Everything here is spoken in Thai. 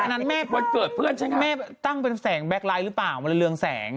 ไงอันนั้นแม่ตั้งเป็นแสงแบพไลท์หรือเปล่ามันจะเรืองแสง